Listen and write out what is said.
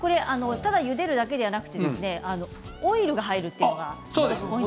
ただゆでるだけではなくてオイルが入ります。